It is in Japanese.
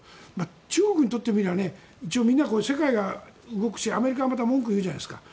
中国にとってみれば世界が動くしアメリカはまた文句言うじゃないですか。